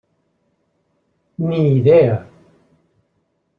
Ni idea.